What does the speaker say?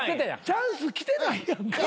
チャンス来てないやんか。